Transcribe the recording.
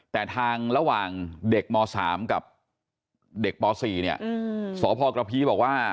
แต่ทางระหว่างเด็กม๓กับเด็กป๔เนี่ยสพกระพีบอกว่า